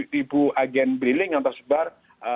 seribu agen briling yang tersebar